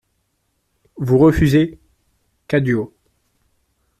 Vous refusez ? CADIO.